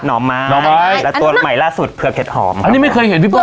หอมไม้หน่อไม้แล้วตัวใหม่ล่าสุดเผือกเห็ดหอมอันนี้ไม่เคยเห็นพี่เบิ